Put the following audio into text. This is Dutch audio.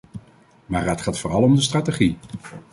Maar het gaat vooral om de strategie.